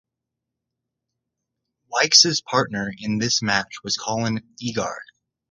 Wykes' partner in this match was Colin Egar.